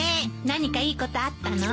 何かいいことあったの？